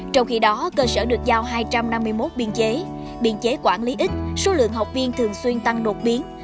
trong khi đó cơ sở được giao hai trăm năm mươi một biên chế biên chế quản lý ít số lượng học viên thường xuyên tăng đột biến